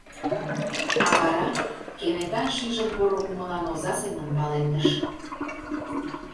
А вара, кенета шижын поро кумылан оза семын палемдыш: